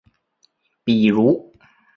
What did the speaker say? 比如